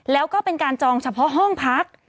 แล้วก็เป็นการจองเฉพาะห้องพัก